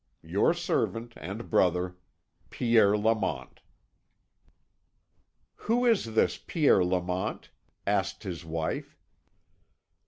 Your servant and brother, "Pierre Lamont." "Who is this Pierre Lamont?" asked his wife.